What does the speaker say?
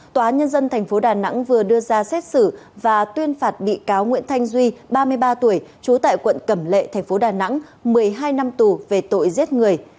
tòa nhân dân tp đà nẵng vừa đưa ra xét xử và tuyên phạt bị cáo nguyễn thanh duy ba mươi ba tuổi trú tại quận cẩm lệ thành phố đà nẵng một mươi hai năm tù về tội giết người